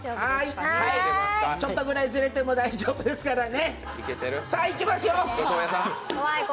ちょっとぐらいずれても大丈夫ですからね。